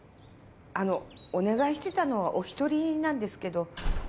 あのお願いしてたのはお一人なんですけど。